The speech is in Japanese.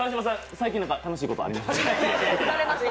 最近何か楽しいことありました？